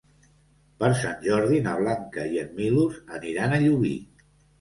Per Sant Jordi na Blanca i en Milos aniran a Llubí.